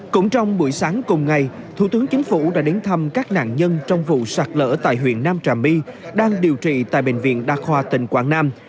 cũng trong buổi sáng cùng ngày thủ tướng chính phủ đã đến thăm các nạn nhân trong vụ sạt lở tại huyện nam trà my đang điều trị tại bệnh viện đa khoa tỉnh quảng nam